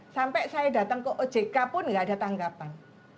sampai saya datang ke ojk pun nggak ada tanggapan